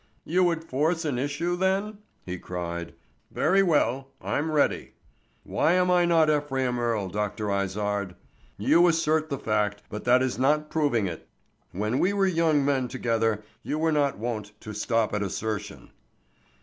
"You would force an issue then," he cried. "Very well, I'm ready. Why am I not Ephraim Earle, Dr. Izard? You assert the fact, but that is not proving it. When we were young men together you were not wont to stop at assertion."